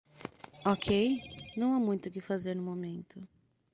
Ok,? não há muito o que fazer no momento.